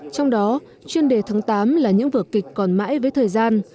trong đó chuyên đề tháng tám là những vở kịch còn mãi với thời gian